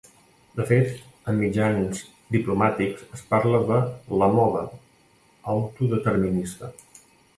De fet, en mitjans diplomàtics es parla de la ‘moda’ autodeterminista.